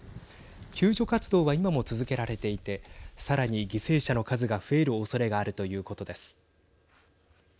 救助活動は今も続けられていてさらに犠牲者の数が増えるおそれがあるということです。